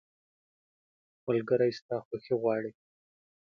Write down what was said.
ملګری ستا خوښي غواړي.